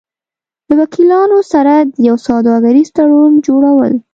-له وکیلانو سره د یو سوداګریز تړون جوړو ل